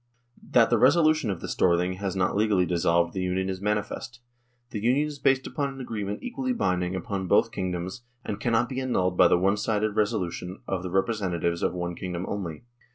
"That the resolution of the Storthing has not legally dissolved the Union is manifest. The Union is based upon an agreement equally binding upon both king doms, and cannot be annulled by the one sided reso lution of the representatives of one kingdom only.